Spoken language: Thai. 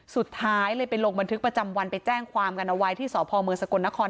สุดท้ายเลยไปลงบันทึกประจำวันไปแจ้งความกันเอาไว้ที่สพเมืองสกลนคร